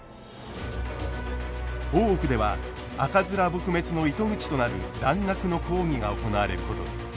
大奥では赤面撲滅の糸口となる蘭学の講義が行われることに。